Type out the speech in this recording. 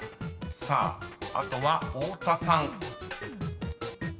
［さああとは太田さん］